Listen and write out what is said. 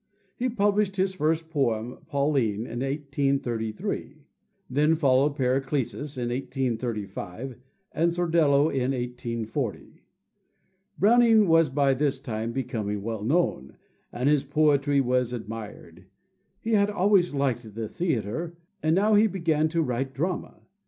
He published his first poem, "Pauline," in 1833. Then followed "Paracelsus" in 1835, and "Sordello" in 1840. Browning was by this time becoming well known, and his poetry was admired. He had always liked the theater, and now he began to write drama.